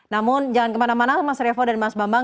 namun jangan kemana mana mas revo dan mas bambang